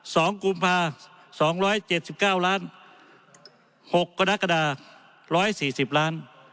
กุมภาสองร้อยเจ็ดสิบเก้าล้านหกกรกฎาร้อยสี่สิบล้าน